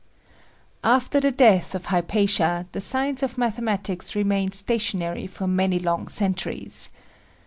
After the death of Hypatia the science of mathematics remained stationary for many long centuries.